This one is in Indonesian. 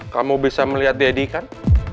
kamu bisa melihat deddy kan